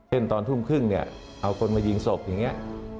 ตอนทุ่มครึ่งเนี่ยเอาคนมายิงศพอย่างนี้